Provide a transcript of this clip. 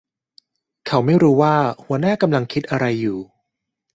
เขาไม่รู้ว่าหัวหน้ากำลังคิดอะไรอยู่